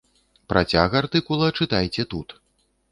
Працяг артыкула чытайце тут.